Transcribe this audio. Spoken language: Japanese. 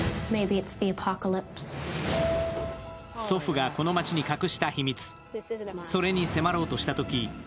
祖父がこの街に隠した秘密、それに迫ろうとしたとき